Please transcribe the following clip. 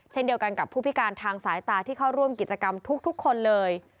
เช่นเดียวกันกับผู้พิการทางสายตาที่เข้าร่วมกิจกรรมทุกคนเลย